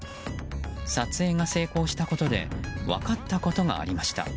撮影が成功したことで分かったことがありました。